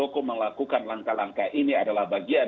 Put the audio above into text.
apakah pak muldoko melakukan langkah langkah ini adalah bagian